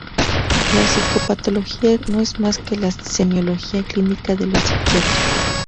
La psicopatología no es más que la semiología clínica de los psiquiatras.